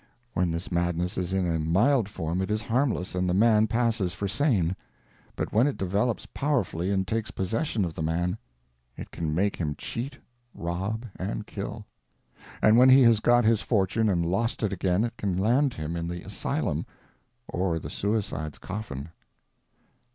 When this madness is in a mild form it is harmless and the man passes for sane; but when it develops powerfully and takes possession of the man, it can make him cheat, rob, and kill; and when he has got his fortune and lost it again it can land him in the asylum or the suicide's coffin.